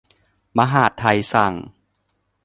มหาดไทยสั่ง